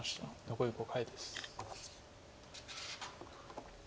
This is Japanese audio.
残り５回です。